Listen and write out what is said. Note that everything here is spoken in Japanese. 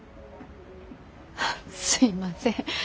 フッすいません。